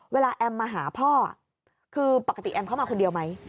แอมมาหาพ่อคือปกติแอมเข้ามาคนเดียวไหม